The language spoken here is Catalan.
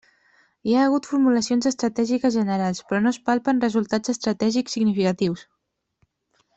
Hi ha hagut formulacions estratègiques generals però no es palpen resultats estratègics significatius.